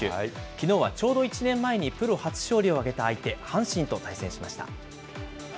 きのうは、ちょうど１年前にプロ初勝利を挙げた相手、阪神と対戦しました。